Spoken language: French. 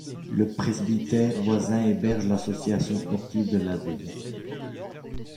Le presbytère voisin héberge l'association sportive de la ville.